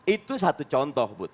itu satu contoh bud